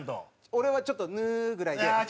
俺はちょっと「ヌー」ぐらいで。